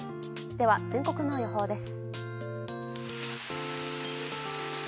では、全国の予報です。